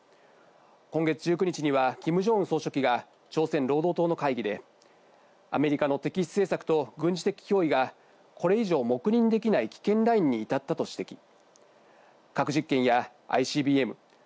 今月１９日にはキム・ジョンウン総書記が朝鮮労働党の会議で、アメリカの敵視政策と軍事的脅威がこれ以上黙認できない危険ラインに至ったと指摘。